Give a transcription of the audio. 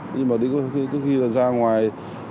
nhưng mà cứ khi ra ngoài